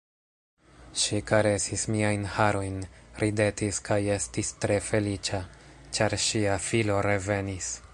Ŝi karesis miajn harojn, ridetis kaj estis tre feliĉa, ĉar ŝia filo revenis.